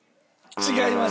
違います。